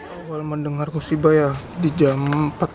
awal mendengar musibah ya di jam empat belas empat puluh tiga